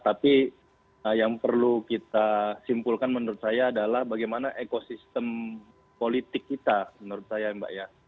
tapi yang perlu kita simpulkan menurut saya adalah bagaimana ekosistem politik kita menurut saya mbak ya